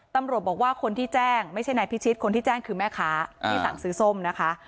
ตำรวจบอกว่าคนที่แจ้งไม่ใช่นายพิชิตคนที่แจ้งคือแม่ค้าที่สั่งซื้อส้มนะคะ